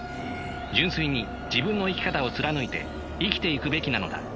純粋に自分の生き方を貫いて生きていくべきなのだ。